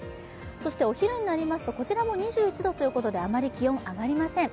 お昼になりますとこちらも２１度ということで、あまり気温が上がりません。